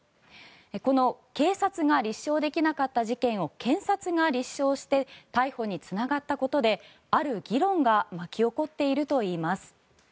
この警察が立証できなかった事件を検察が立証して逮捕につながったことである議論が巻き起こっているといいます。